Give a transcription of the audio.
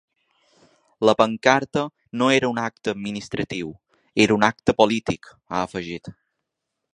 La pancarta no era un acte administratiu, era un acte polític, ha afegit.